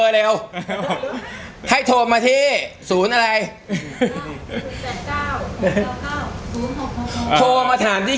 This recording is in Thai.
ใช่ถ้าทายถามพี่